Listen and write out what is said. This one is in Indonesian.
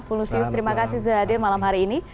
lusius terima kasih sudah hadir malam hari ini